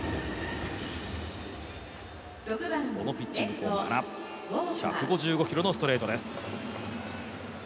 このピッチングフォームから１５６キロのストレートです。